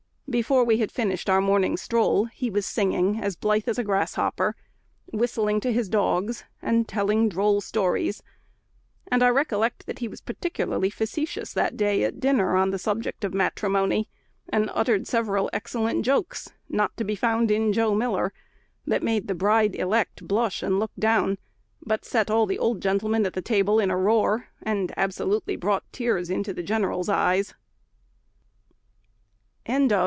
Before we had finished our morning's stroll, he was singing as blithe as a grasshopper, whistling to his dogs, and telling droll stories; and I recollect that he was particularly facetious that day at dinner on the subject of matrimony, and uttered several excellent jokes not to be found in Joe Miller, that made the bride elect blush and look down, but set all the old gentlemen at the table in a roar, and absolutely brought tears into the general's eyes.